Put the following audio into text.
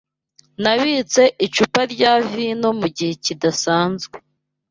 Nabitse icupa rya vino mugihe kidasanzwe.